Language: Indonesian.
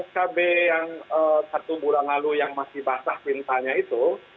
kb yang satu bulan lalu yang masih basah pintanya itu